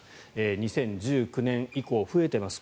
２０１９年以降増えています。